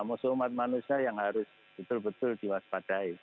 musuh umat manusia yang harus betul betul diwaspadai